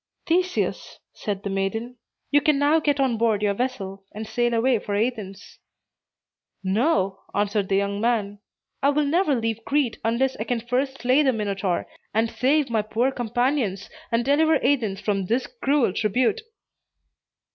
"Theseus," said the maiden, "you can now get on board your vessel, and sail away for Athens." "No," answered the young man; "I will never leave Crete unless I can first slay the Minotaur, and save my poor companions, and deliver Athens from this cruel tribute."